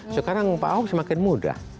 sekarang pak ahok semakin mudah